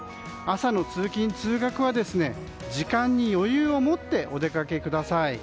朝の通勤・通学は時間に余裕をもってお出かけください。